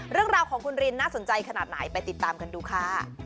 เรื่องราวของคุณรินน่าสนใจขนาดไหนไปติดตามกันดูค่ะ